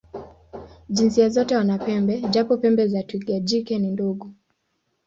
Jinsia zote wana pembe, japo pembe za twiga jike ni ndogo.